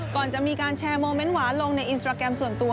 ก่อนจะมีการแชร์โมเมนต์หวานลงในอินสตราแกรมส่วนตัว